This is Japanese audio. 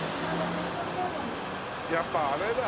やっぱあれだ。